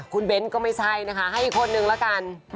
คุณเบ้นก็ไม่ใช่นะคะให้อีกคนนึงละกัน